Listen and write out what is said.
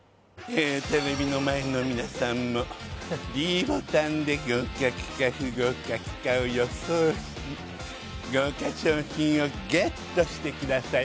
テレビの前の皆さんもｄボタンで合格か不合格かを予想し豪華賞品をＧＥＴしてください